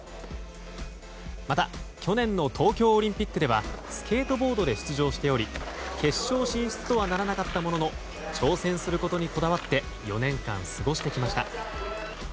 また去年の東京オリンピックではスケートボードで出場しており決勝進出とはならなかったものの挑戦することにこだわって４年間過ごしてきました。